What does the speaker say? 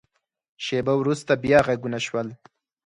شیبه وروسته، بیا غږونه شول.